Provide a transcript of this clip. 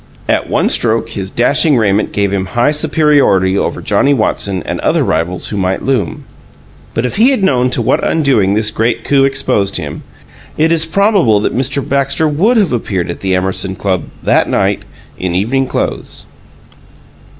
At one stroke his dashing raiment gave him high superiority over Johnnie Watson and other rivals who might loom. But if he had known to what undoing this great coup exposed him, it is probable that Mr. Baxter would have appeared at the Emerson Club, that night, in evening clothes.